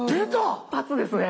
一発ですね。